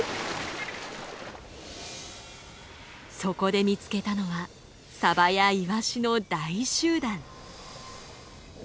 そこで見つけたのはサバやイワシの大集団！